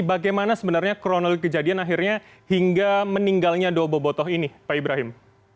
bagaimana sebenarnya kronologi kejadian akhirnya hingga meninggalnya dua bobotoh ini pak ibrahim